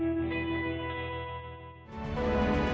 ketika mereka berpikir